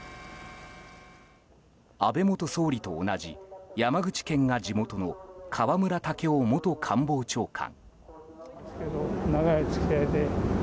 安倍元総理と同じ山口県が地元の河村建夫元官房長官。